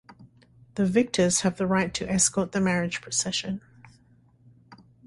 The victors have the right to escort the marriage procession.